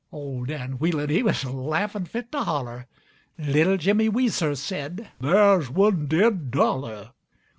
Old Dan Wheeling, he was laughin' fit to holler, Little Jimmy Weezer said, 'There's one dead dollar!'